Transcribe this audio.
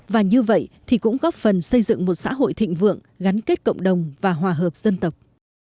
và như vậy thì cũng góp phần xây dựng một xã hội thịnh vượng gắn kết cộng đồng và hòa hợp dân tộc